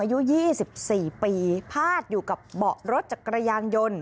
อายุ๒๔ปีพาดอยู่กับเบาะรถจักรยานยนต์